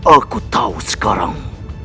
aku tahu sekarang